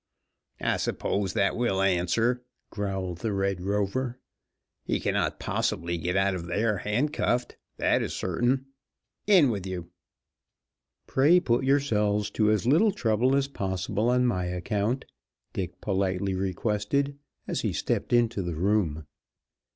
"I suppose that will answer," growled the Red Rover. "He cannot possibly get out of there handcuffed, that is certain. In with you." "Pray put yourselves to as little trouble as possible on my account," Dick politely requested as he stepped into the room.